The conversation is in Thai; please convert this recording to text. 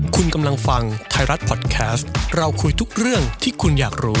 คุณกำลังฟังไทยรัฐพอดแคสต์เราคุยทุกเรื่องที่คุณอยากรู้